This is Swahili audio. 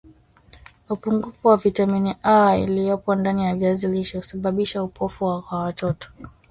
Upungufu wa vitamini A iliyopo ndani ya viazi lishe husababisha upofu kwa watoto